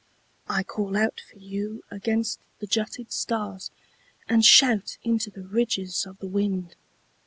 I call out for you against the jutted stars And shout into the ridges of the wind.